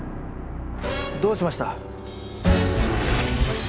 どうしました？